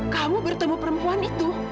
kamu bertemu perempuan itu